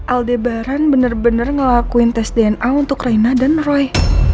aldebaran bener bener ngelakuin tes dna untuk raina dan roy